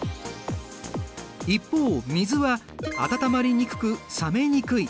一方水は温まりにくく冷めにくい。